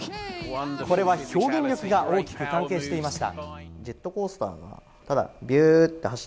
これは、表現力が大きく関係していました。